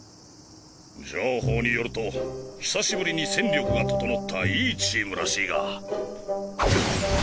情報によると久しぶりに戦力が整ったいいチームらしいが。